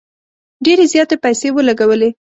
ډیري زیاتي پیسې ولګولې.